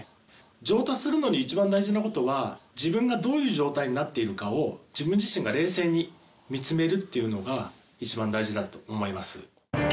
上達するのに一番大事なことは自分がどういう状態になっているかを自分自身が冷静に見つめるっていうのが一番大事だと思います。